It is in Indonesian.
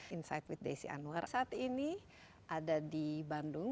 insight with desi anwar saat ini ada di bandung